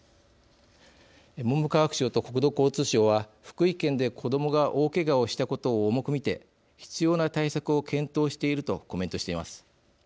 文部科学省と国土交通省は福井県で子どもが大けがをしたことを重く見て必要な対策を検討しているとコメントしています。